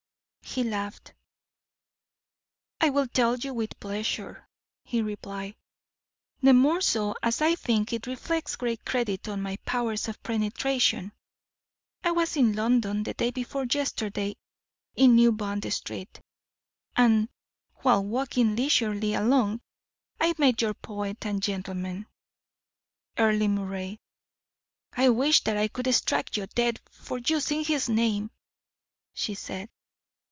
He laughed. "I will tell you, with pleasure," he replied; "the more so as I think it reflects great credit on my powers of penetration. I was in London the day before yesterday, in New Bond Street, and, while walking leisurely along, I met your poet and gentleman, Earle Moray." "I wish that I could strike you dead for using his name," she said.